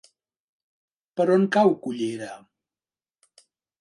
Per on cau Cullera?